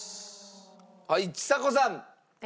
はいちさ子さん。